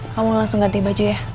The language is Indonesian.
kamu langsung ganti baju ya